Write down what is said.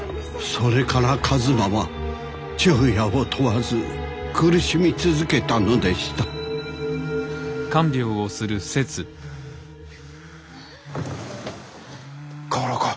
それから一馬は昼夜を問わず苦しみ続けたのでした代わろうか？